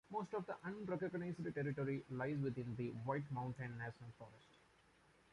Most of the unorganized territory lies within the White Mountain National Forest.